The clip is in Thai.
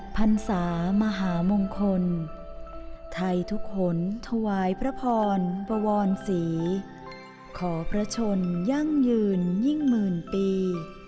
พันศามหามงคลไทยทุกหนถวายพระพรบวรศรีขอพระชนยั่งยืนยิ่งหมื่นปี